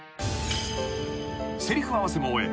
［せりふ合わせも終え